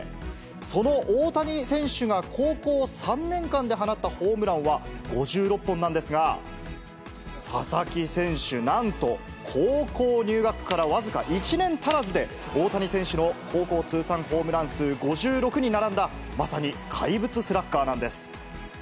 その大谷選手が高校３年間で放ったホームランは５６本なんですが、佐々木選手、なんと高校入学から僅か１年足らずで、大谷選手の高校通算ホームラン数５６に並んだ、まさに怪物スラッガーなんです。